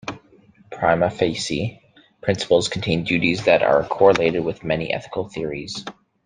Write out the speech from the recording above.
"Prima facie" principles contain duties that are correlated with many ethical theories.